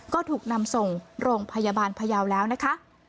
ก็ถูกนำส่งโรงพยาบาลพยาวแล้วนะคะ